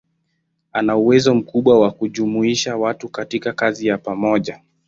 Ana uwezo mkubwa wa kujumuisha watu katika kazi ya pamoja.